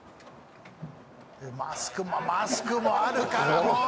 マスクもマスクもあるからもう！